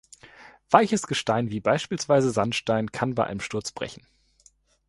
Weiches Gestein, wie beispielsweise Sandstein, kann bei einem Sturz brechen.